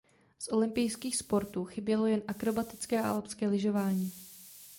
Z olympijských sportů chybělo jen akrobatické a alpské lyžování.